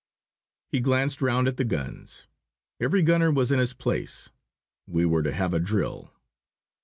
He glanced round at the guns. Every gunner was in his place. We were to have a drill.